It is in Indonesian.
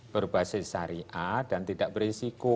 berbasis syariah dan tidak berisiko